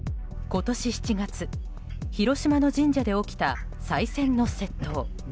今年７月、広島の神社で起きたさい銭の窃盗。